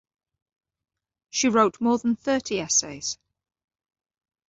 She wrote more than thirty essays.